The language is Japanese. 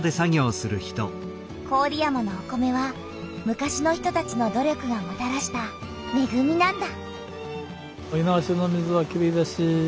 郡山のお米は昔の人たちの努力がもたらしためぐみなんだ。